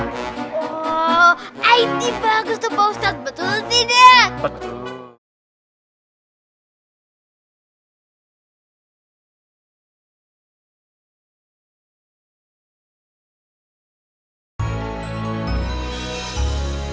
oh ini bagus dong pak ustadz